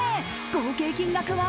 合計金額は？